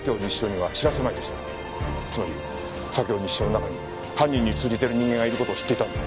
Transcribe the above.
つまり左京西署の中に犯人に通じてる人間がいる事を知っていたんだ。